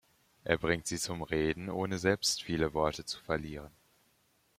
Er bringt sie zum Reden, ohne selbst viele Worte zu verlieren.